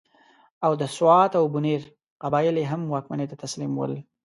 او د سوات او بنیر قبایل یې هم واکمنۍ ته تسلیم ول.